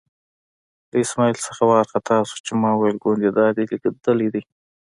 له اسمعیل نه وار خطا شو چې ما ویل ګوندې دا دې لیدلی دی.